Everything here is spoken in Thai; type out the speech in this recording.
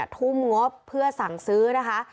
ทุ่มงบเพื่อสั่งซื้อนะคะ